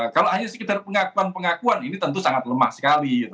kalau hanya sekedar pengakuan pengakuan ini tentu sangat lemah sekali